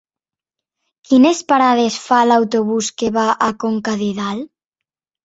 Quines parades fa l'autobús que va a Conca de Dalt?